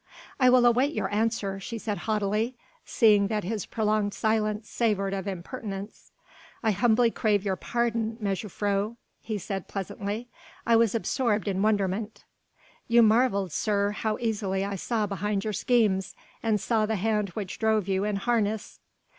"I still await your answer," she said haughtily, seeing that his prolonged silence savoured of impertinence. "I humbly crave your pardon, mejuffrouw," he said pleasantly, "I was absorbed in wonderment." "You marvelled, sir, how easily I saw behind your schemes, and saw the hand which drove you in harness?"